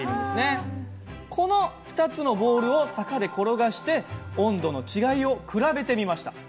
この２つのボールを坂で転がして温度の違いを比べてみました。